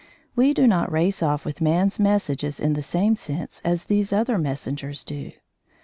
We do not race off with man's messages in the same sense as these other messengers do.